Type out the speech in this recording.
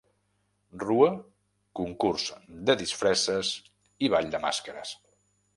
Rua, concurs de disfresses i ball de màscares.